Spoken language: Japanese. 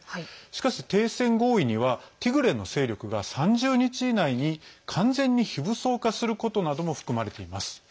しかし、停戦合意にはティグレの勢力が３０日以内に完全に非武装化することなども含まれています。